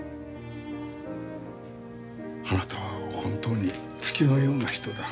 あなたは本当に月のような人だ。